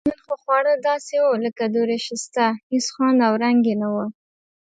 نن خو خواړه داسې و لکه دورسشته هېڅ خوند او رنګ یې نه و.